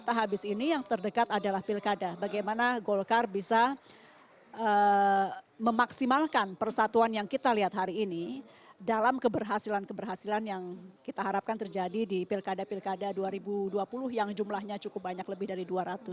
jakarta habis ini yang terdekat adalah pilkada bagaimana golkar bisa memaksimalkan persatuan yang kita lihat hari ini dalam keberhasilan keberhasilan yang kita harapkan terjadi di pilkada pilkada dua ribu dua puluh yang jumlahnya cukup banyak lebih dari dua ratus